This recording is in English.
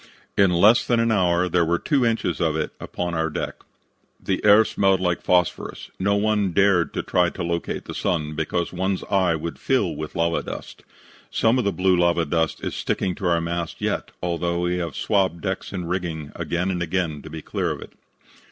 In less than an hour there were two inches of it upon our deck. "The air smelled like phosphorus. No one dared to look up to try to locate the sun, because one's eyes would fill with lava dust. Some of the blue lava dust is sticking to our mast yet, although we have swabbed decks and rigging again and again to be clear of it.